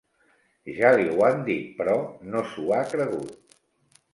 Ja li ho han dit, però no s'ho ha cregut.